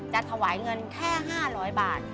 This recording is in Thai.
จะถวายเงินแค่๕๐๐บาท